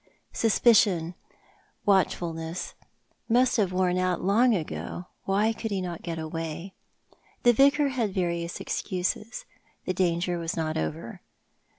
Suspicion, watchfulness, must have been worn out long ago. Why could he not get away ? The Vicar had various excuses. The danger was not over.